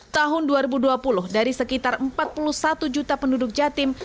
tahun dua ribu dua puluh dari sekitar empat puluh satu juta penduduk jatim